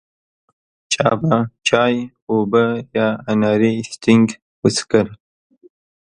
چا به چای، اوبه یا اناري سټینګ وڅښل.